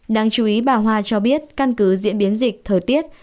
đáng chú ý bà hoa cho biết căn cứ diễn biến dịch thời tiết